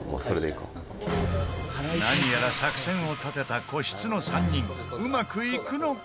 何やら作戦を立てた個室の３人うまくいくのか？